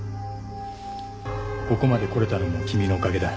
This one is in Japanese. ここまで来れたのも君のおかげだ。